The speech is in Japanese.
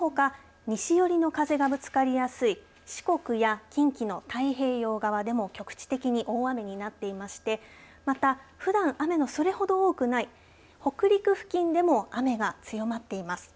そのほか西よりの風がぶつかりやすい四国や近畿の太平洋側でも局地的に大雨になっていましてまた、ふだん雨のそれほど多くない北陸付近でも雨が強まっています。